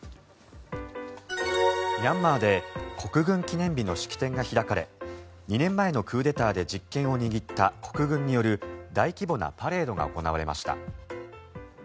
ミャンマーで国軍記念日の式典が開かれ２年前のクーデターで実権を握った国軍による大規模なパレードが行われました。